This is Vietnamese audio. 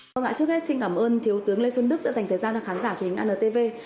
vâng ạ trước hết xin cảm ơn thiếu tướng lê xuân đức đã dành thời gian cho khán giả truyền hình antv